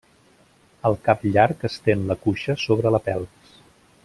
El cap llarg estén la cuixa sobre la pelvis.